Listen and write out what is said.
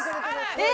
え？